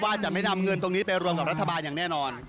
ว่าจะไม่นำเงินตรงนี้ไปรวมกับรัฐบาลอย่างแน่นอน